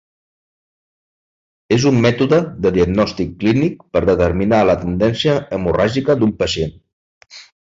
És un mètode de diagnòstic clínic per determinar la tendència hemorràgica d'un pacient.